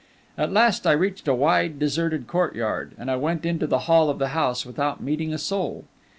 At last I reached a wide, deserted courtyard, and I went into the hall of the house without meeting a soul.